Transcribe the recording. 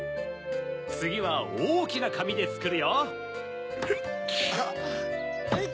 つぎはおおきなかみでつくるよ。